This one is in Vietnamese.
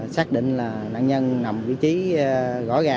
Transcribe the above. xác định là nạn nhân nằm vị trí gõ gà